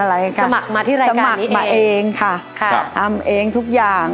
อ่าอ่าอ้าอ่าอ่า